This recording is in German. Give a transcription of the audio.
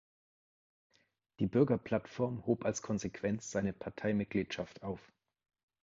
Die Bürgerplattform hob als Konsequenz seine Parteimitgliedschaft auf.